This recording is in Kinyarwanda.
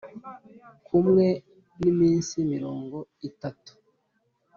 kumwe ni iminsi mirongo itatu